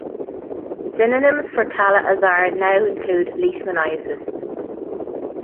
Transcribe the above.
Synonyms for kala azar now include leishmaniasis.